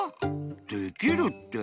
できるって！